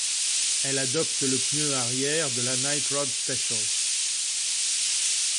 Elle adopte le pneu arrière de la Night Rod Special.